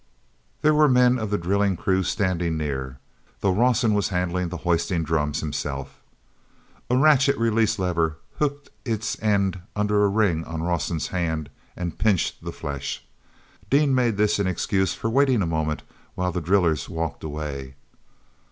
There were men of the drilling crew standing near, though Rawson was handling the hoisting drums himself. A ratchet release lever hooked its end under a ring on Rawson's hand and pinched the flesh. Dean made this an excuse for waiting a moment while the drillers walked away.